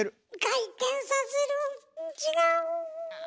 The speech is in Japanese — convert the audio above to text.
回転させる違うぅ。